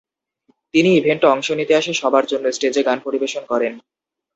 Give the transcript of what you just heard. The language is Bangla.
তিনি ইভেন্টে অংশ নিতে আসা সবার জন্য স্টেজে গান পরিবেশন করেন।